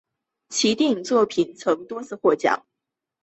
其电影作品曾多次获奖。